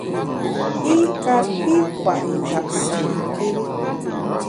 I kapi kwet njap sâkéri.